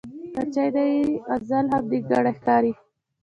که چای نه وي، غزل هم نیمګړی ښکاري.